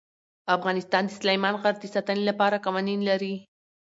افغانستان د سلیمان غر د ساتنې لپاره قوانین لري.